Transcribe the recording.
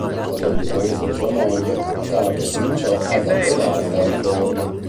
Sotto l'influenza di sua moglie, Carlo cominciò ad approvare la Riforma.